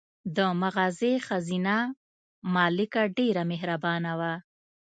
د مغازې ښځینه مالکه ډېره مهربانه وه.